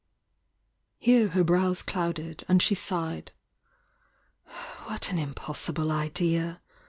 Here her brows clouded, and she si^ed. "What an impossible idea!